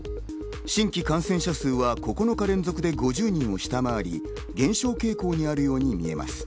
新規感染者数は９日連続で５０人を下回り、減少傾向にあるように見えます。